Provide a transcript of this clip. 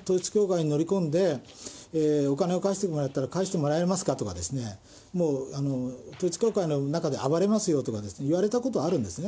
統一教会に乗り込んで、お金を返してくださいと言ったら返してもらえますか？とか、もう、統一教会の中で暴れますよとかですね、言われたことはあるんですね。